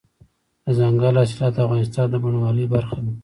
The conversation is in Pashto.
دځنګل حاصلات د افغانستان د بڼوالۍ برخه ده.